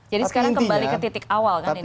jadi sekarang kembali ke titik awal kan ini